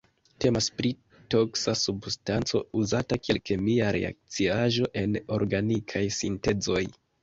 Temas pri toksa substanco uzata kiel kemia reakciaĵo en organikaj sintezoj.